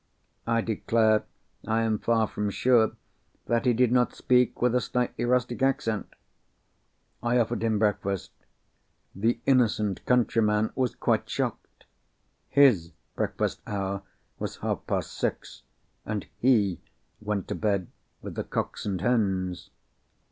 I declare I am far from sure that he did not speak with a slightly rustic accent! I offered him breakfast. The innocent countryman was quite shocked. His breakfast hour was half past six—and he went to bed with the cocks and hens!